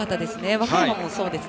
和歌山もそうですね。